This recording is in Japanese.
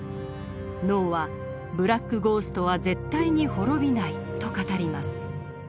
脳は「ブラック・ゴーストは絶対に滅びない」と語ります。